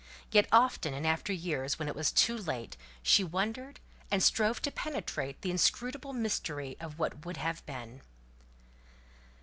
Yet often in after years, when it was too late, she wondered and strove to penetrate the inscrutable mystery of "what would have been."